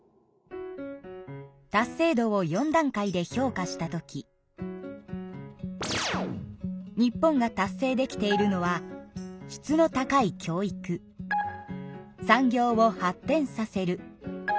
達成度を４段階で評価したとき日本が達成できているのは「質の高い教育」「産業を発展させる」